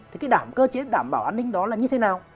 thế cái cơ chế đảm bảo an ninh đó là như thế nào